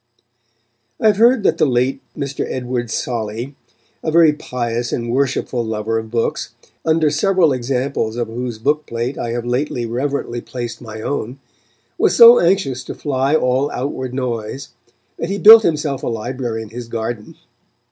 I have heard that the late Mr. Edward Solly, a very pious and worshipful lover of books, under several examples of whose book plate I have lately reverently placed my own, was so anxious to fly all outward noise that he built himself a library in his garden.